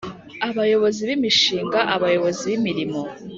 Abayobozi b imishinga abayobozi b imirimo